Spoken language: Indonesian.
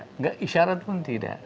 tidak ada isyarat pun